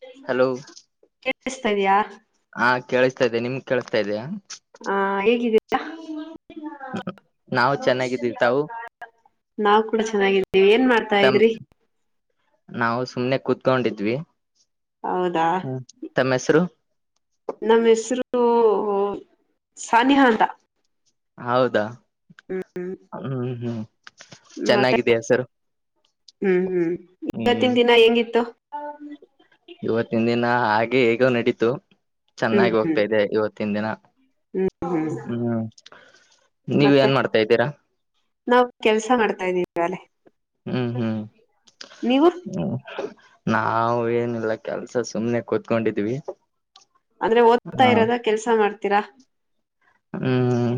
ಹ ಹಲೋ ಬ್ತ ಇದಾ ಹಾ ಕೇಳಿಸ್ತಾ ಇದೆ ನಿಮ ಕೇಳಿಸ್ತಾ ಇದೆ ಹ ಹೇಗಿದ್ದೀರಾ ನಾವು ಚೆನ್ನಾಗಿದ್ದೀವಿ ತಾವು ನಾವು ಕೂಡ ಚೆನ್ನಾಗಿದ್ದೀವಿ ಏನ್ ಮಾಡ್ತವಿ ನಾವು ಸುಮ್ನೆ ಕುೂತ್ಕೊಂಡಿದ್ವಿ ಹೌದಾ ಹ್ಮ ತಮ್ಮ ಹೆಸರು ನಮ್ಮ ಹೆಸರು ಸಾನಿಹ ಅಂತ ಹೌದಾ ಹ್ಮ್ ಹ್ಮ್ ಹ್ಮ್ ಮತ್ತೆ ಚೆನ್ನಾಗಿದೆ ಹೆಸರು ಹ್ಮ್ ಹ್ಮ್ ಇವತ್ತಿನ ಹ್ಮ್ ದಿನ ಹೆಂಗಿತ್ತು ಇವತ್ತಿನ ದಿನ ಹಾಗೆ ಹೇಗ ನಡೀತು ಹ್ಮ್ ಚೆನ್ನಾಗಿ ಹ್ಮ್ ಹೋಗ್ತಾ ಇದೆ ಇವತ್ತಿನ ದಿನ ಹ್ಮ್ ನೀವ ಏನ್ ಮಾಡ್ತಾ ಇದ್ದೀರಾ ನಾವವು ಕೆಲ್ಸ ಮಾಡ್ತಾ ಇದೀವಿವಾಲೆ ಹ್ಮ್ ಹ್ಮ್ ನೀವು ಹ್ಮ ನಾವ ಏನಿಲ್ಲ ಕೆಲ್ಸ ಸುಮ್ನೆ ಕೂತ್ಕೊಂಡಿದ್ವಿ ಅಂದ್ರೆ ಓದ್ತಾ ಹ ಇರೋದ ಕೆಲ್ಸ ಮಾಡ್ತೀರಾ ಹ್ಮ್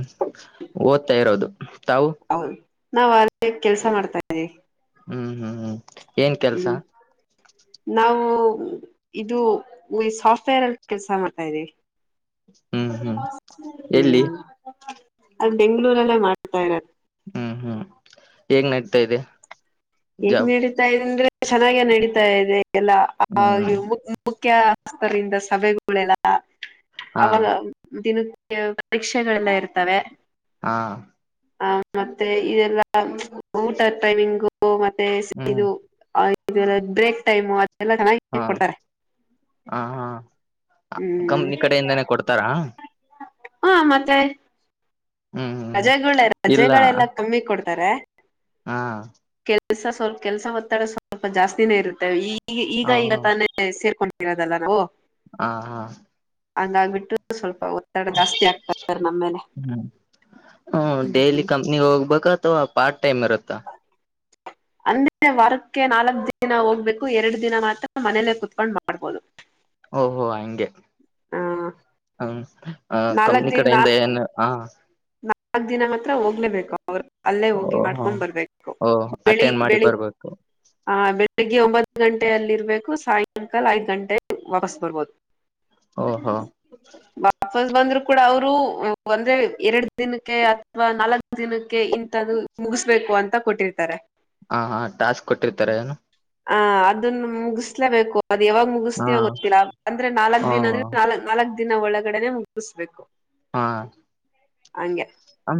ಓದ್ತಾ ಇರೋದು ತಾವು ಹೌದು ನಾವ ಅ ಕೆಲ್ಸ ಮಾಡ್ತಾ ಇದ್ದೀವಿ ಹ್ಮ್ ಹ್ಮ್ ಹ್ಮ್ ಏನ್ ಕೆಲ್ಸ ಹ್ಮ್ ನಾವು ಇದು ಈ ಸಾಫ್ಟ್ವೇರ್ ಅಲ್ಲಿ ಕೆಲ್ಸ ಮಾಡ್ತಾ್ದೀವಿ ಹ್ಮ್ ಹ್ಮ್ ಎಲ್ಲಿ ಹ್ಮ್ ಅದು್ ಬೆಂಗ್ೂರಲ್ಲೇ ಮಾಡ್ತಾ ಇರತ್ತೆ ಹ್ಮ್ ಹ್ಮ್ ಹೇಗ್ ನಡತಾ ಇದೆ ಹೇಗ್ ಜಾಬ್ ನಡೀತಾಂದ್ರೆ ಚೆನ್ನಾಗ ನಡೀತಾ ಇದೆ ಎಲ್ಲ ಹ್ಮ್ ಹಾಗೆ ಮುಖ್ಯಸ್ತರಿಂದ ಸಭೆಗಳೆಲ್ಲ ಹಾ ಅವಾಗ ದಿನ ಪರೀಕ್ಷೆಗಳೆಲ್ಲ ಇರ್ತ್ತವೆ ಹಾ ಹ ಮತ್ತೆ ಇದೆಲ್ಲ ಊಟ ಟೈಮಿಂಗು ಮತ್ತೆ ಹ್ಮ್ ಇದು ಬ್ರಕ್ ಟೈಮ್ ಅದೆಲ್ಲ ಚೆನ್ನ ಹಾ ಹ ಹಾ ಹ್ಮ್ ಕಂಪ್ನಿ ಕಡೆಯಿಂದನೇ ಕೊಡ್ತಾರಾ ಹ ಮತ್ತೆ ಹ್ಮ್ ಹ್ಮ್ ರಜೆಗಳೆ ಇಲ್ಲ ರಜೆಗಳೆಲ್ಲಾ ಕಮ್ಮಿ ಕೊಡ್ತಾರೆ ಹಾ ಕೆಲ್ಸ ಸ್ವಲ್ಪ ಕೆಲ್ಸ ಒತ್ತಡ ಸ್ವಲ್ಪ ಜಾಸ್ತಿನೇ ಇರುತ್ತೇ ಈ ಈ ಈಗ ಹ ಈಗ ತಾನೇ ಸೇರ್ಕೊಂಡಿರೋದಲ್ಲ ನಾವು ಹಾ ಹಾ ಹಂಗಗ್ಬಿಟ್ಟು ಸ್ವಲ್ಪ ಒತ್ತಡ ಜಾಸ್ತಿ ಆಗ್ತ ನಮ್ಮೇಲೆ ಹ್ಮ್ ಹ್ಮ ಹ್ಮ್ ಡೈಲಿ ಕಂಪ್ನಿ ಹೋಗ್ಬೇಕ ಅಥವಾ ಪಾರ್ಟ್ ಟೈಮ್ ಇರತ್ತಾ ಆರ್ ಅಂದೆ ವಾರಕ್ಕೆ ನಾಲ್ಕ್ ದಿನ ಹೋಗ್ಬೇಕು ಎರಡು ದಿನ ಮಾತ್ರ ಮನೇಲೆೇ ಕುೂತ್ಕೊಂಡ್ ಮಾಡ ಓಹೋ ಹಂಗೆ ಹಾ ಹ್ಮ ಆ ಕಪ್ನಿ ಕಡೆಯಿಂದ ಏನ್ ಹ ನಾಲ್ಕ್ ದಿನ ಮಾತ್ರ ಹೋಗ್ಲೇಬೇಕು ಅವ್ರ ಅಲ್ಲೇ ಹೋಗಿ ಓಹೋ ಮಾಡ್ಕೊಂಡ್ ಬರ್ಬೇಕು ಓ ಬೆಳಿ ಅಟೆಂಡ್ ಮಾಡಿ ಬೆಳಿ ಬರ್ಬೇಕು ಹ ಬೆಳಗ್ಗೆ ಒಂಬತ್ತು ಗಂಟೆ ಅೆಯಲ್ಲಿ ಇರ್ಬೇಕು ಸಾಯಂಕಾಲ ಐದ್ ಗಂಟೆ ವಾಪಸ್ ಬರ್ಬೋದು ಓಹಾ ವಾಪಸ್ ಬಂದ್ರು ಕೂಡ ಅವರು ಒಂದ್ರೆ ಎರಡು ದಿನಕ್ಕೆ ಅಥವಾ ನಾಲ್ಕು ದಿನಕ್ಕೆ ಇಂತಥ್ದ ಮುಗಿಸ್ಬೇಕು ಅಂತ ಕೊಟ್ಟಿರ್ತಾರೆ ಹಾ ಹಾ ಟಾಸ್ಕ್ ಕೊಟ್ಟಿರ್ತಾರೆ ಏನು ಹ ಅದನ್ನು ಮುಗಿಸ್ಲೇಬೇಕು ಅದು ಯಾವಾಗ್ ಮುಗ ಹಾ ಮುಗಿಸ್ತೀ ಗೊತ್ತಿಲ್ಲಾ ಅಂದ್ರೆ ನಾಲ್ಕ್ ಹ ದಿನ ಅಂದ್ರೆ ನಾಕ್ ನಾಲ್ಕ್ ದಿನ ಒಳಗಡೆನೆ ಮುಗಿಸ್ಬೇಕು ಹಾಂ ಹಂಗೆ ಹ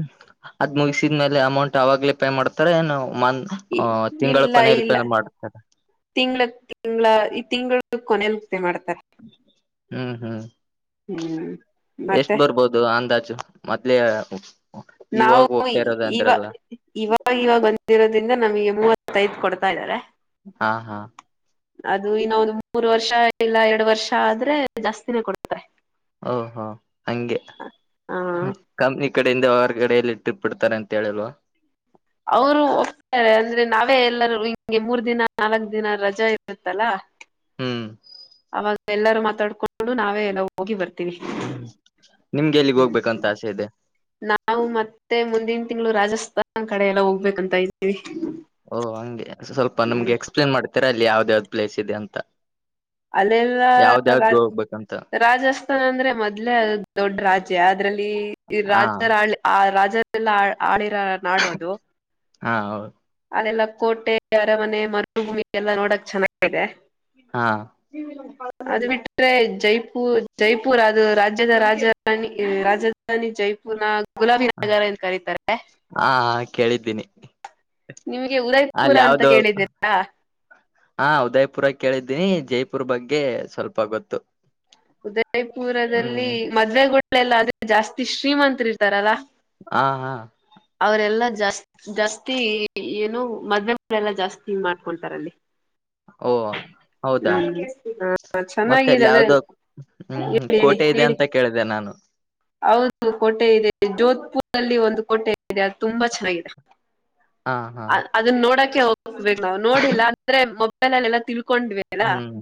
ಅದ್ ಮುಗಿಸಿದ್ಮೇಲೆ ಅಮೌಂಟ್ ಅವಾಗ್ಲೇ ಪೇ ಮಾಡ್ತಾರ ಏನ ಮನ್ ಹ ತಿಂಗಳ ಇಲ್ಲ ಇಲ್ಲ ಕೊನಲ್ಪನ ಮಾಡ್ತದ ತಿಂಗ್ಳ ತಿಂಗಗಳ ಈ ತಿಂಗಳ ಕೊನಲಿ ಉ ಮಾಡ್ತಾರ ಹ್ಮ್ ಹ್ಮ್ ಹ್ಮ್ ಎಷ್ಟು ಮತ್ತೆ ಬರ್ಬೋದು ಅಂದಾಜು ಮತ್ತಲ ನಾವು ಇವ ಇವ ಇವಾಗ ಬಂದಿರೋದ್ರಿಂದ ನಮ್ಗೆ ಮೂವತ್ತೈದ ಕೊಡ್ತಾ ಇದಾರೆ ಹಾ ಹಾ ಅದು ಇನ್ನ ಒಂದು ಮೂರು ವರ್ಷ ಇಲ್ಲ ಎರಡು ವರ್ಷ ಆದ್ರೆ ಜಾಸ್ತಿನೇ ಕೊಡ್ತ ಓಹೋ ಹಗೆ ಹ ಹ್ಮ್ ಕಂಪ್ನಿ ಕಡೆಯಿಂದ ಅವರ ಕಡೆಯಲ್ಲಿ ಟ್ರಿಪ್ ಇಡ್ತಾರೆ ಅಂತ ಹೇಳಿಲ್ವಾ ಅವರು ಹೋಗ್ತಾರೆ ಅಂದ್ರೆ ನಾವೇ ಎಲ್ಲರೂ ಹಿಂಗೆ ಮೂರ್ ದಿನ ನಾಲ್ಕ್ ದಿನ ರಜಾ ಇರುತ್ತಲ್ಲಾ ಹ ಹ್ಮ್ ಅವಾಗ ಎಲ್ಲರೂ ಮಾತಾಡ್ಕೊಂಡು ನಾವೇ ಎಲ್ಲ ಹೋಗಿ ಬರ್ತೀವಿ ಹ್ಮ ಷೇದೆೇ ನಾವು ಮತ್ತೆ ಮುಂದಿನ ತಿಂಗಳು ರಾಜಸ್ಥಾನ್ ಕಡೆ ಎಲ್ಲ ಹೋಗ್ಬೇಕಂತ ಇದತೀವಿ ಓಹ ಹಂಗೆ ಸ್ವಲ್ಪ ನಿಮ್ಗೆ ಎಕ್ಸ್ಪ್ಲೇನ್ ಮಾಡ್ತೀರಾ ಅಲ್ಲಿ ಯಾವ್ದ ಯಾವ್ದ್ ಪ್ಲೇಸ್ ಇದೆ ಅಂತ ಅಲ್ಲಲ್ಲ ಯಾವ್ದ ಯಾವ್ದ್ ಹೋಗ್ಬೇಕಂತ ರಾಜಸ್ಥಾನ್ ಅಂದ್ರೆ ಮೊದ್ಲೇ ಅ ದೊಡ್ಡ ರಾಜ್ಯ ಅದ್ರಲ್ಲಿ ಹಾ ರಾಜರ ಆ ರಾಜ ಲ್ಲ ಆಡಿಿರ ನಡುವದು ಹಾ ಹೌದು ಅದೆಲ್ಲ ಕೋಟೆ ಅರಮನೆ ಮರುಭೂಮಿ ಎಲ್ಲಾ ನೋಡಕ್ ಚೆನ್ನಾಗಿದೆ ಹಾ ಹ ಅದು ಬಿಟ್ರೆ ಜೈಪು ಜೈಪುರ್ ಅದು ರಾಜ್ಯದ ರಾಜಧಾನಿ ರಾಜ ನ ಜೈಪುರ್ ನ ಗುಲಾಬಿ ನಗರ ಏನ್ ಕರೀತಾರೆ. ಹಾ ಕೇಳಿದ್ದೀನಿ. ನಿಮ್ಗೆ ಉದಯಪುರ ಅಲ್ಲಿ ಅಂತ ಕೇಳಿದ್ದೀರಾ. ಆ ಉದಯ್ ಪುರ ಕೇಳಿದ್ದೀನಿ ಜೈಪುರ್ ಬಗ್ಗೆ ಸ್ವಲ್ಪ ಗೊತ್ತು. ಉದಯಪುರದಲ್ಲಿ ಹ್ಮ್ ಮದ್ವೆಗುಳೆಲ್ಲ ಅಂದ್ರೆ ಜಾಸ್ತಿ ಶ್ರೀಮಂತರಿರ್ತಾರಲ್ಲಾ ಹಾ ಹಾ. ಅವರೆಲ್ಲಾ ಜಾಸ್ ಜಾಸ್ತಿ ಏನು ಮದ್ವೆ ಎಲ್ಲಾ ಜಾಸ್ತಿ ಮಾಡ್ಕೊಂತಾರಲ್ಲಿ. ಓ ಹೌದಾ ಹ್ಮ ಹಾ ಮತ್ತೆ ಚೆನ್ನಾಗಿದೆ ಅಲ್ಲಿ ಅದೇ ಯಾವ್ದೋ ಹ್ಮ್ ಹ್ಮ ಕೋಟೆ ಇದೆ ಅಂತ ಕೇಳಿದೆೆ ನಾನು. ಹೌದು ಕೋಟೆ ಇದೆ ಜೋದ್ಪುರಲ್ಲಿ ಒಂದು ಕೋಟೆ ಇದೆ ಅದು ತುಂಬಾ ಚೆನ್ನಾಗಿದೆ. ಹಾ. ಅದನ್ನ ನೋಡಕೆ ಹೋಗ್ಬೇಕ ನಾವು ನೋಡಿಲ್ಲ ಅಂದ್ರೆ ಮೊಬೈಲ್ ಅಲ್ಲಿ ಎಲ್ಲಾ ತಿಳ್ಕೊಂಡ್ವಿ. ಅಲ್ಲ ಹ್ಮ್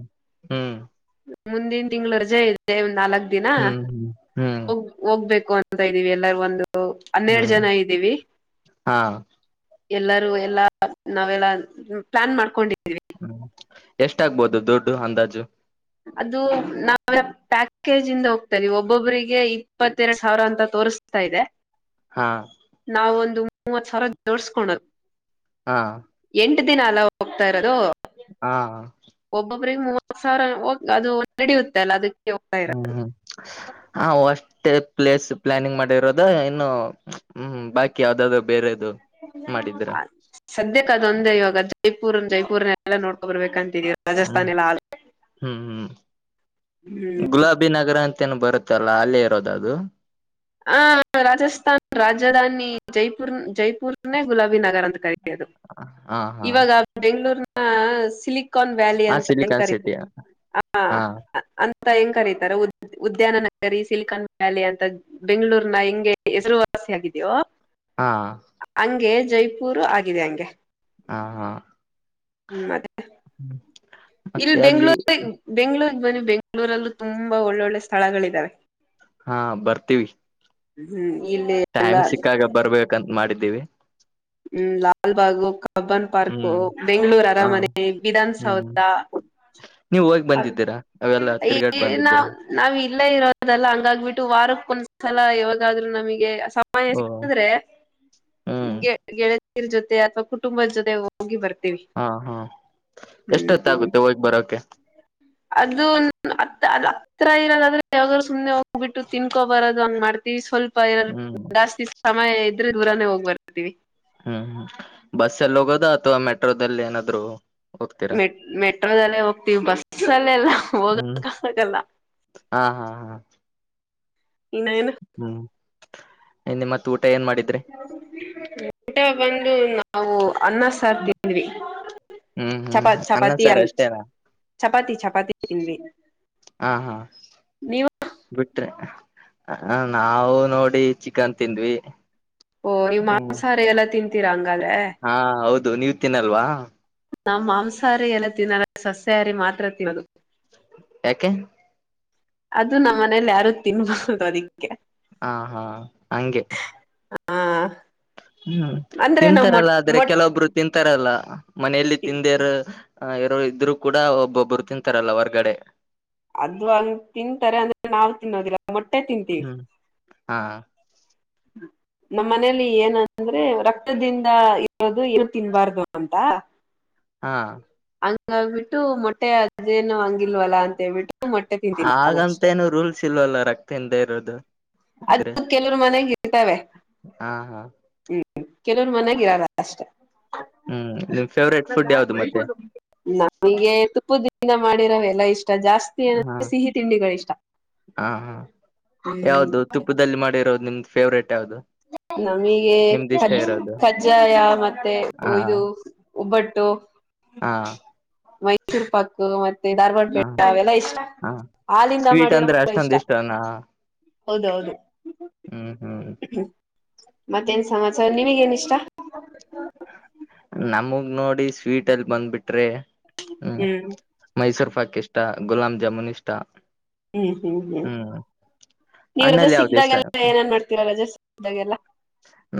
ಹ್ಮ್. ಮುಂದಿನ ತಿಂಗಳ ರಜೆ ಇದೆ ಒಂದ್ ನಾಲ್ಕ್ ದಿನ ಹ್ಮ್ ಹ್ಮ್ ಹ್ಮ್ ಹೋಗ್ ಹೋಗ್ಬೇಕು ಅಂತ ಇದ್ದೀವಿ ಎಲ್ಲಾರು ಒಂದು ಹನ್ನೆರಡು ಹ್ಮ್ ಜನ ಇದಿವಿ. ಹಾ ಎಲ್ಲರೂ ಎಲ್ಲಾ ನಾವೆಲ್ಲಾ ಪ್ಲಾನ್ ಮಾಡ್ಕೊಂಡಿದೀವಿ. ಹ್ಮ್ ಎಷ್ಟಾಗ್ಬೋದು ದುಡ್ಡು ಅಂದಾಜು. ಅದು ನಾವ್ ಪ್ಯಾಕೇಜ ಇಂದ ಹೋಗ್ತಾ ಇದಿವಿ ಒಬ್ಬೊಬ್ಬ್ರಿಗೆ ಇಪ್ಪತ್ತೆರಡ್ ಸಾವಿರ ಅಂತ ತೋರಸ್ ತಾ ಇದೆ. ಹಾ. ನಾವ ಒಂದು ಮೂವತ್ ಸಾವರ ಜೋಡ್ಸ್ಕೊಣೋದ್. ಹಾ. ಎಂಟು ದಿನ ಅಲ್ಲ ಹೋಗ್ತಾ ಇರೋದು. ಹಾ ಹಾ. ಒಬ್ಬೊಬ್ರಿಗೆ ಮೂವತ್ ಸಾವಿರ ಹೋಗ್ ಅದು ನಡಿಯುತ್ತೆ ಅಲ್ಲಾ ಅದಕ್ ಹ್ಮ್ ಹ್ಮ್ ಹಾ ಒಷ್ಟೇ ಪ್ಲೇಸ್ ಪ್ಲಾನಿಂಗ್ ಮಾಡಿರೋ ಅ ಇನ್ನು ಹ್ಮ್ ಬಾಕಿ ಯಾವ್ದಾದು ಬೇರೆದು. ಮಾಡಿದ್ರ ಸದ್ಯಕ್ಕ ಅದೊಂದೇ ಇವಾಗ ಜೈಪುರ್ ಜೈಪುರ್ನ ಎಲ್ಲ ನೋಡ್ಕೊ ಬರ್ಬೇಕಂತಿದಿವಿ. ಹ್ಮ್ ಹ್ಮ್ ಹ್ಮ್ ಹ್ಮ್ ಗುಲಾಬಿ ನಗರ ಅಂತ್ ತ್ತೇನೋ ಬರುತ್ತಲ್ಲ ಅಲ್ಲೇ ಇರೋದ ಅದು. ಆ ರಾಜಸ್ಥಾನ ರಾಜಧಾನಿ ಜೈಪುರ್ ಜೈಪುರ್ನೇ ಗುಲಾಬೀ ನಗರ ಅಂತ ಕರಿ ಅದು ಹಾ ಹಾ ಇವಾಗ ಬೆಂಗ್ಳೂರ್ನ ಸಿಲಿಕ್ ಕಾನ್ ವ್ಯಾಲಿ ಹ ಅಂತ ಹೆಂಗ್ ಸಿಲಿಕಾನ್ ಕರೀತ ಸಿಟಿ ಹಾ ಅಂ ತ ಹೆಂಗ್ ಕರೀತಾರೋ ಉದ್ಯಾನ ನಗರಿ ಸಿಲಿಕಾನ್ ವ್ಯಾಲಿ ಅಂತ ಬೆಂಗ್ಳೂರ್ನ ಹೆಂಗೆ ಹೆಸರುವಾಸಿ ಆಗಿದ್ಯೋ ಹಾ. ಹಂಗೆ ಜೈಪುರು ಆಗಿದೆ ಹಂಗೆ. ಹಾ ಹಾ ಹ್ಮ್ ಮತ್ತೆ ಇಲ್ಲಿ ಮತ್ತೆ ಅಲ್ಲಿ ಬೆಂಗ್ಳೂರ್ ಬನ್ನಿ ಬೆಂಗಳೂರಲ್ಲೂ ತುಂಬಾ ಒಳ್ಳೊಳ್ಳೆ ಸ್ಥಳಗಳಿದಾವೆ. ಹಾ ಬರ್ತೀವಿ. ಹ್ಮ್ ಇಲ್ಲೇ ಟೈಮ್ ಸಿಕ್ಕಾಗ ಬರ್ಬೇಕಂತ್ ಮಾಡಿದಿವಿ. ಹ್ಮ್ ಲಾಲ್ಬಾಗು ಕಬ್ಬನ್ ಪಾರ್ಕ್ ಹ್ಮ್ ಬೆಂಗಳೂರು ಹ ಅರಮನೆ ಹ್ಮ್ ವಿಧನ್ಸೌಧ ನೀವ್ ಹೋಗಿ ಬಂದಿದ್ದೀರಾ ಅವೆಲ್ಲ ತಿರುಗಾಡ್ ಬಂದ ನ ನಾವ ಇಲ್ಲೇ ಇರೋದಲ್ಲ ಹಂಗಾಗಬಿಟ್ಟು ವಾರಕ್ಕ ಒಂದ್ಸಲ ಯಾವಾಗಾದ್ರು ನಮಗೆ ಓ ಸಿಕ್ಕಂದ್ರೆಗೆ ಹ್ಮ್ ಗೆಳತರ್ ಜೊತೆ ಅಥವಾ ಕುಟುಂಬದ ಜೊತೆ ಹೋಗಿ ಬರ್ತೀವಿ ಹಾ ಹಾ ಹ್ಮ್ ಎಷ್ಟೊತ್ತ ಆಗುತ್ತೆ ಹೋಗ್ ಬರೋಕೆ ಅದು ಅತ್ತ ಅ ಹತ್ರ ಇರೋದಾದ್ರೆ ಯಾವಾಗರು ಸುನೆ ಹೋಗ್ಬಿಟ್ಟು ತಿನ್ಕೋ ಬರೋದು ಹಂಗ್ ಮಾಡ್ತತಿವಿ ಸ್ವಲ್ಪ ಹ್ಮ್ ಸ್ವಪ ಜಾಸ್ತಿ ಸಮಯ ಇದ್ರೆ ದೂರನೇ ಹೋಗ್ ಬರ್ತೀವಿ ಹ್ಮ್ ಹ್ಮ್ ಬಸ್ಸಲ್ಲಿ ಹೋಗೋದ ಅಥವಾ ಮೆಟ್ರೋದಲ್ಲಿ ಏನಾದ್ರು ಹೋಗ್ತೀರಾ ಮೆ ಮೆಟ್ರೋದಲ್ಲೇ ಹೋಗ್ತೀವಿ ಬಸ್ ಅಲ್ಲೆಲ್ಲ ಹೋಗ ಹ್ಮ್ ಕಾಗಲ್ಲ ಆಲ್ಲ ಹಾ ಹಾ ಹಾ ಲ್ಲೇನು ಹ್ಮ್ ಇ ಮತ್ ಊಟ ಏನ್ ಮಾಡಿದ್ರಿ ಊಟ ಬಂದು ನಾವು ಅನ್ನ ಸಾರ್ ತಿಂದ್ವಿ ಹ್ಮ್ ಹ್ಮ್ ಚಪಾ ಅನ್ನ ಚಪಾತಿ ಸಾರ್ ಅನ್ ಅಷ್ಟೇನಾ ಚಪಾತಿ ಚಪಾತಿ ತಿನ್ವಿ ಹಾ ಹಾ ಬಿಟ್ರೆ ಹ ನಾವು ನೋಡಿ ಚಿಕನ್ ತಿಂದ್ವಿ ಓ ನೀ ಮಾಂಸಾರ ಎಲ್ಲಾ ತಿಂತೀರಾ ಹಂಗಾದೆ ಹಾ ಹೌದು ನೀವ್ ತಿನ್ನಲ್ವಾ ನಾ ಮಾಂಸಾಹಾರಿ ಎಲ್ಲ ತಿನ್ನಲ್ಲ ಸಸ್ಯಹಾರಿ ಮಾತ್ರ ತಿನ್ನೋದು ಯಾಕೆ ಅದು ನಮ್ಮ ಮನೇಲಿ ಯಾರು ತಿನ್ಬಹುದು ಅದಕ್ಕೆ ಹಾ ಹಾ ಹಂಗೆ ಹಾ ಹ್ಮ್ ಅಂದ್ರೆ ನಾವ್ ಮೊಟ್ ತಿಂತಾರಲ್ಲ ಆದ್ರೆ ಮೊಟ್ ಕೆಲವೊಬ್ರು ತಿಂತಾರಲ್ಲ ಮನೆಯಲ್ಲಿ ತಿಂದೇರು ಹ ಇರೋರು ಇದ್ರು ಕೂಡ ಒಬ್ಬೊಬ್ರು ತಿಂತಾರಲ್ಲ ಹೊರ್ಗಡೆ ಅದ್ಂಗ ತಿಂತಾರೆ ಅಂದ್ರೆ ನಾವವು ತಿನ್ನದಿಲ್ಲ ಮೊಟ್ಟೆ ತಿಂತೀವಿ ಹ್ಮ್ ಹಾ ಹ್ಮ ನಮ್ಮ ಮನೇಲಿ ಏನಂದ್ರೆ ರಕ್ತದಿಂದ ಇರೋದು ಏನು ತಿನ್ಬಾರ್ದು ಅಂತ ಹಾ ಹಂಗಾಗಬಿಟ್ಟು ಮೊಟ್ಟೆ ಅದೇನು ಹಂಗಿಲ್ವಲ್ಲ ಅಂತ ಹೇಳ್ಬಿಟ್ಟು ಮಟ್ಟ ಹಾಗಂತೇನು ರೂಲ್ಸ್ ಇಲ್ವಲ್ಲ ರಕ್ತದಿಂದ ಇರೋದು ಅದ ಇದ್ರೆ ಕೆಲವರು ಮನೆಗ ಇರ್ತವೆ ಹಾ ಹಾ ಹ್ಮ್ ಕೆಲವ್ ಮನ್ಯಾಗ ಇರಲ್ಲ ಅಷ್ಟೇ ಹ್ಮ್ ನಿಮ್ ಫವೇಟ್ ಫುಡ್ ಹೌದಾ ಯಾವ್ದ ಮತ್ತೆ ನಮಗೆ ತುಪ್ಪ ದಿನ ಮಾಡಿರೋ ಎಲ್ಲ ಇಷ್ಟ ಜಾಸ್ತಿ ಸಿ ಹಾ ಏಂದ್ರೆ ಸಿಹಿ ತಿಂಡಿಗಳ ಇಷ್ಟ ಹಾ ಹಾ ಹ್ಮ್ ಯಾವ್ದು ತುಪ್ಪದಲ್ಲಿ ಮಾಡಿರೋದು ನಿಮ್ದ್ ಫೇವ್ರೇಟ್ ಯಾವ್ದದು ನಮಗೆ ಕಜ ಕಜ್ಜಾಯ ಮತ್ತೆ ಹಾ ಇಯದು ಒಬ್ಬಟ್ಟು ಹಾ ಮೈಸೂರು ಪಾಕ್ ಮತ್ತೆ ಮ ಧಾರವಾಡ ಹಾ ಬೆಟೆ ಅವೆಲ್ಲಾ ಇಷ್ಟ ಹಾ ಹಾಲಿಂದ ಸ್ವೀಟ್ ಮಾಡಿರೋ ಅಂದ್ರೆ ಕೂಡ ಅಷ್ಟೊಂದ ಇಷ್ಟ ಇಷ್ಟನಾ ಹೌದೌದು ಹ್ಮ್ ಹ್ಮ್ ಹ್ಮ ಮತ್ತೇನ್ ಸಮಾಚಾರ ನಿನಗ್ ಏನ್ ಇಷ್ಟಾ ನಮಗ್ ನೋಡಿ ಸ್ವೀಟ್ ಅಲ್ಲಿ ಬಂದ್ಬಿಟ್ರೆ ಹ್ಮ್ ಮೈಸೂರು ಪಾಕ್ ಇಷ್ಟ ಗುಲಾಬ್ ಜಾಮೂನ್ ಇಷ್ಟಾ ಹ್ಮ್ ಹ್ಮ್ ಹ್ಮ್ ನೀವ್ ರಜೆ ಹಣ್ಣಲ್ಲಿ ಯಾವ್ದು ಇಷ್ಟ ಸಿಕ್ಕ್ದಾಗೆಲ್ಲ ಏನನ್ ಮಾಡ್ತೀರ ರಜೆ ಸಿಕಗ್ದಾಗೆಲ್ಲಾ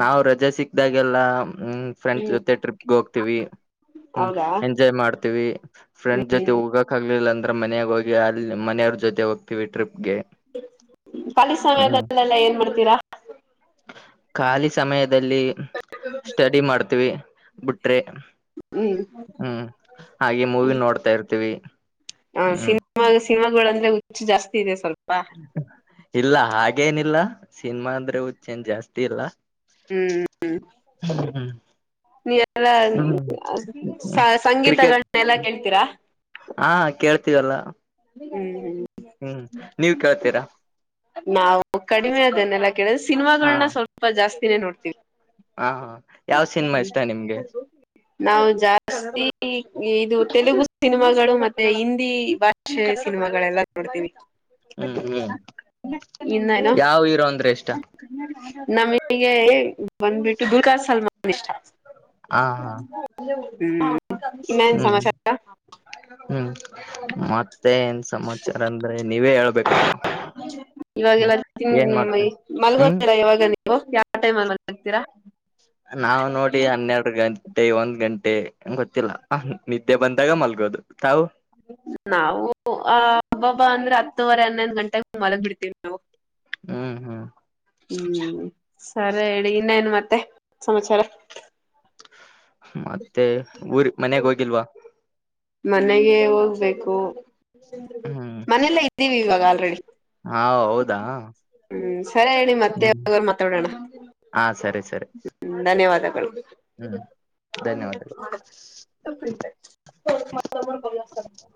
ನಾವು ರಜೆ ಸಿಕ್ದಾಗೆಲ್ಲಾ ಹ್ಮ್ ಫ್ರೆಂಡ್ಸ್ ಹ್ಮ್ ಜೊತೆ ಟ್ರಿಪ್ಗೆ ಹೋಗ್ತಿವಿ ಹ್ಮ ಹೌದಾ ಎಂಜಾಯ್ ಮಾಡ್ತೀವಿ ಫ್ರೆಂಡ್ ಜೊತೆ ಹ್ಮ್ ಹೋಗಕ್ ಹಗ್ಲಿಲ್ಲ ಅಂದ್ರೆ ಮನಯಾಗ ಹೋಗಿ ಅಲ್ಲಿ ಮನೆಯವ್ರ ಜೊತೆ ಹೋಗ್ತೀವಿ ಟ್ರಿಪ್ಗೆ ಖಾಲಿ ಹ್ಮ್ ಸಮಯದಲ್ಲೆಲ್ಲ ಏನ್ ಮಾಡ್ತೀರಾ ಖಾಲಿ ಸಮಯದಲ್ಲಿ ಸ್ಟಡಿ ಮಾಡ್ತೀವಿ ಬಿಟ್ರೆ ಹ್ಮ್ ಹ್ಮ್ ಹಾಗೆ ಮೂವಿ ನೋಡ್ತಾ ಇರ್ತಿವಿ ಹಾ ಸಿನಿಮಾಗ ಸಿನಮಾಗಳ ಅಂದ್ರೆ ಹುಚ್ಚು ಜಾಸ್ತಿ ಇದೆ ಸ್ವಲ್ಪ ಇಲ್ಲಾ ಹಾಗೇನಿಲ್ಲಾ ಸಿನಿಮಾ ಅಂದ್ರೆ ಹಚ್ಚೇನ್ ಜಾಸ್ತಿ ಇಲ್ಲಾ ಹ್ಮ್ ನೀ ಎಲ್ಲ ಕ್ರಿಕೆಟ್ ಸಂಗೀತಗಳನ್ನ ಎಲ್ಲಾ ಕೇಳ್ತೀರಾ ಹಾ ಕೇಳ್ತೀವಲ್ಲ ಹ್ಮ್ ಹು ಹ್ಮ್ ನೀವ್ [unintelligible] ಕೇಳ್ತೀರಾ ನಾವು ಕಡಿಮೆ ಅದನ್ನೆಲ್ಲಾ ಕೇಳಿದ ಸಿನಿಮಾಗಳನ್ನ ಸ್ವಲ್ಪ ಸ್ವಲ್ಪ ಜಾಸ್ತಿನೇ ನೋಡ್ತೀವಿ. ಹಾ ಯಾವ ಸಿನಿಮಾ ಇಷ್ಟ ನಿಮ್ಗೆ ನಾವು ಜಾಸ್ತಿ ಇದು ತೆಲುಗು ಸಿನಿಮಾಗಳು ಮತ್ತೆ ಹಿಂದಿ ಭಾಷೆ ಷೆ ಸಿನಿಮಾಗಳೆಲ್ಲ ನೋಡ್ತೀವಿ ಹ್ಮ್ ಹ್ಮ್ ಇನ್ನೇನು ಯಾವ ಹಿರೋ ಅಂದ್ರೆ ಇಷ್ಟಾ ನಮಗೆ ಬಂದ್ಬಿಟ್ಟು ಬತಾ ಸಲ್ಮಾನ್ ಇಷ್ಟ ಹ ಹಾ [unintelligible] ಇನ್ನೇನ್ ಹ್ಮ್ ಸಮಾಚಾರ ಹ್ಮ್ ಮತ್ತೆ ಏನ್ ಸಮಾಚಾರ ಅಂದ್ರೆ ನೀವೇ ಹೇಳ್ಬೇಕು ಹ್ಮ ಇವಾಗೆಲ್ಲ ಏನ್ ಮಾಡ್ತ ಹ್ಮ್ ಮಲ್ಗೋದಿಲ್ಲ ಇವಾಗ ಓ ಯಾವ ಟೈಮ್ ಅ [unintelligible] ನಾವ್ ನೋಡಿ ಹನ್ನೆರಡು ಗಂಟೆ ಒಂದ್ ಗಂಟೆ ಗೊತ್ತಿಲ್ಲ ನಿದ್ದೆ ಬಂದಾಗ ಮಲ್ಗೋದು ತಾವು ನಾವು ಆ ಅಬ್ಬ ಅಬ್ಬಾ ಅಂದ್ರೆ ಹತ್ತೂವರೆ ಹನ್ನೊಂದು ಗಂಟೆೆಗೆ ಮಲಗ್ ಬಿಡ್ತೀವಿ ನಾವು ಹ್ಮ್ ಹ್ಮ್ ಹ್ಮ್ ಸರಿ ಹೇಳಿ ಇನ್ನೇನು ಮತ್ತೆ ಸಮಾಚಾರ ಮತ್ತೆ ಊರ್ ಮನೆಗೆ ಹೋಗಿಲ್ವಾ ಮನೆಗೆ ಹೋಗ್ಬೇಕು ಹ್ಮ್ ಮನೆಯಲ್ಲಿ ಇದ್ದೀವಿ ಇವಾಗ ಆಲ್ರೆಡಿ ಹಾ ಹೌದಾ ಹ್ಮ್ ಸರಿ ಹೇಳಣಿ ಮತ್ತೆ ಹ್ಮ್ ಅವರು ಮಾತಾಡೋಣ ಹಾ ಸರಿ ಸರಿ ಹ್ಮ ಧನ್ಯವಾದಗಳು ಹ್ಮ್ ಧನ್ಯವಾದ. [unintelligible]